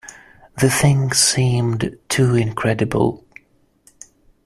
The thing seemed too incredible.